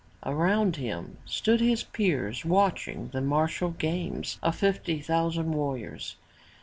Around him stood his peers watching the martial games of fifty thousand warriors.